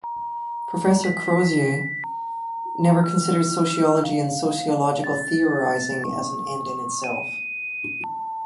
Professor Crozier never considered sociology and sociological theorizing as an end in itself.